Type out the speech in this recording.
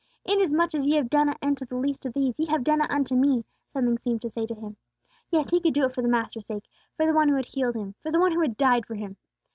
"Inasmuch as ye have done it unto the least of these, ye have done it unto me," something seemed to say to him. Yes; he could do it for the Master's sake, for the One who had healed him, for the One who had died for him.